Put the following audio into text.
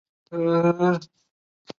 分权的目的在于避免独裁者的产生。